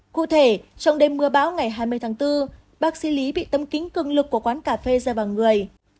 cụ thể trong đêm mưa bão ngày hai mươi tháng bốn bác sĩ lý bị tâm kính cường lực của quán cà phê ra vào người